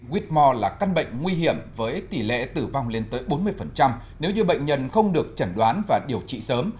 whmore là căn bệnh nguy hiểm với tỷ lệ tử vong lên tới bốn mươi nếu như bệnh nhân không được chẩn đoán và điều trị sớm